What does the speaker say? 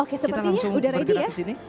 oke sepertinya udah ready ya